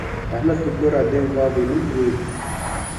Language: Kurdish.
rehmet li gora dê û bavên min û we bû